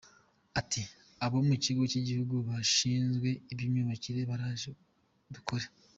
Ati “Abo mu kigo cy’Igihugu gishinzwe imyubakire baraje dukora